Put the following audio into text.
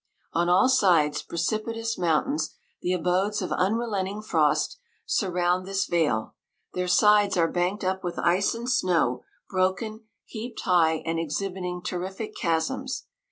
On all sides precipitous mountains, the abodes of unrelenting frost, sur round this vale : their sides are banked up with ice and snow, broken, heaped high, and exhibiting terrific chasms.